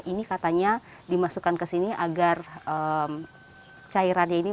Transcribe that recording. ini katanya dimasukkan ke sini agar cairannya ini